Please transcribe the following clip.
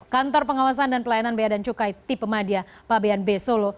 kantor pengawasan dan pelayanan bea dan cukai tipe madia pabean b solo